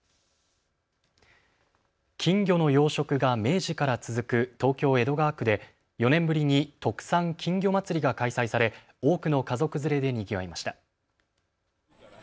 金魚の養殖が明治から続く東京江戸川区で４年ぶりに特産金魚まつりが開催され多くの家族連れでにぎわいました。